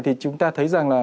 thì chúng ta thấy rằng là